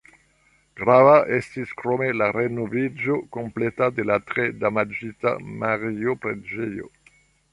Grava estis krome la renoviĝo kompleta de la tre damaĝita Mario-preĝejo.